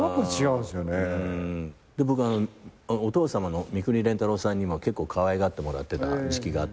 で僕お父さまの三國連太郎さんにも結構かわいがってもらってた時期があったんで。